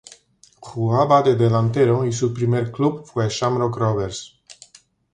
Jugaba de delantero y su primer club fue Shamrock Rovers.